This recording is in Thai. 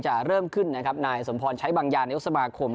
จะเริ่มขึ้นนะครับนายอังคษ์สมพรฉ้ายบางยานท์ในยุคสมาคม